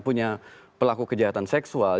punya pelaku kejahatan seksual